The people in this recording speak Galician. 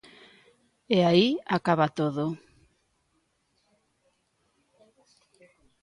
E aí acaba todo.